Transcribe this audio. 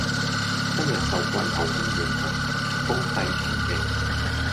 今日受季候風影響，風勢清勁